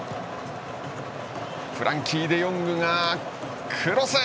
フレンキー・デヨングがクロス！